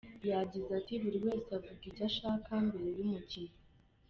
Yagize ati ‘Buri wese avuga ibyo ashaka mbere y’umukino.